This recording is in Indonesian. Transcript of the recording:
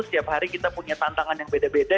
setiap hari kita punya tantangan yang beda beda